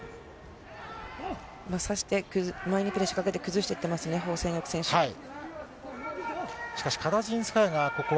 差して、前にプレッシャーをかけて崩していってますね、ホウ倩玉選手は。